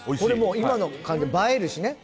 今の感じで映えるしね